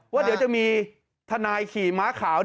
ว่าเดี๋ยวจะมีทนายขี่ม้าขาว